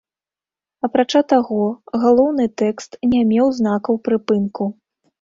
Апрача таго, галоўны тэкст не меў знакаў прыпынку.